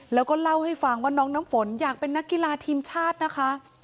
แล้วก็เล่าให้ฟังว่าน้องน้ำฝนอยากเป็นนักกีฬาทีมชาตินะคะ